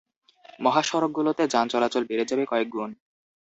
মহাসড়কগুলোতে যান চলাচল বেড়ে যাবে কয়েক গুণ।